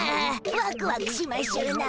ワクワクしましゅな。